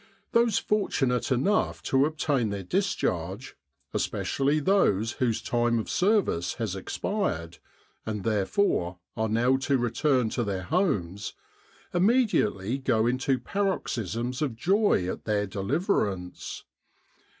Those fortunate enough to obtain their discharge, especially those whose time of service has expired, and therefore, are now to return to their homes, immediately go into paroxysms of joy at their deliverance.